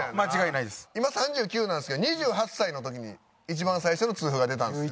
今３９なんですけど２８歳の時に一番最初の痛風が出たんですよ。